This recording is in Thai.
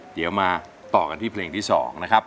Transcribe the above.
เดี๋ยวมาต่อกันที่เพลงที่๒นะครับ